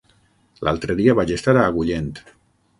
L'altre dia vaig estar a Agullent.